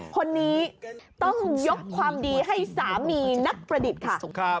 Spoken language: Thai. คนนี้ต้องยกความดีให้สามีนักประดิษฐ์ค่ะ